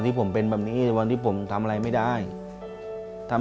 เปลี่ยนเพลงเพลงเก่งของคุณและข้ามผิดได้๑คำ